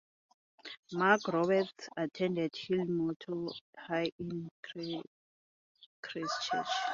McRoberts attended Hillmorton High in Christchurch.